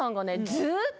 ずーっと